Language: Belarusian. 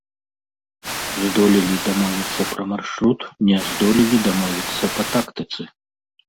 Здолелі дамовіцца пра маршрут, не здолелі дамовіцца па тактыцы.